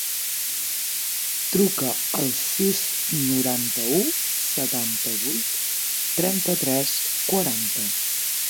Truca al sis, noranta-u, setanta-vuit, trenta-tres, quaranta.